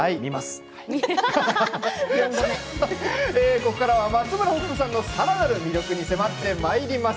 ここからは松村北斗さんのさらなる魅力に迫っていきます。